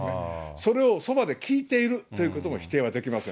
それをそばで聞いているということも、否定はできません。